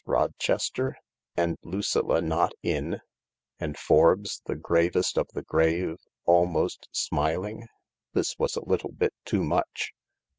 Rochester I And Lucilla not in I And Forbes, the gravest of the grave, almost smiling I This was a little bit too much.